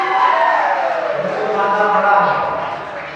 ہُوں تو مادؔا پڑا ہے